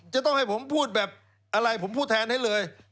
จะต้องให้ผมพูดแบบอะไรผมพูดแทนให้เลย